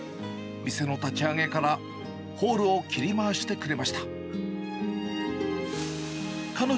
店の立ち上げから、ホールを切り回してくれました。